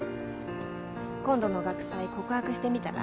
今度の学祭告白してみたら？